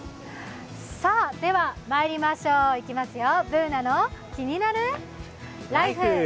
ではまいりましょう、いきますよ、「ＢｏｏｎａのキニナルＬＩＦＥ」。